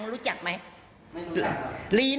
บอกว่าทีให้สี่